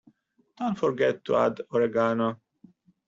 Don't forget to add Oregano.